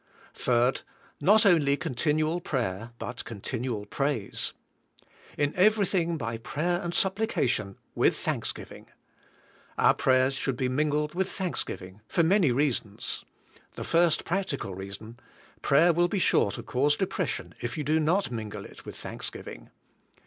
3. Not only continual prayer but continual praise. *'In everything by prayer and supplication ivith thanksgiving. " Our prayers should be mingled with thanksgiving for many reasons. The first practical reason: Prayer will be sure to cause depression if you do not mingle it with thanksgiving.